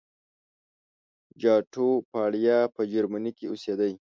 چاټوپاړیا په جرمني کې اوسېدی.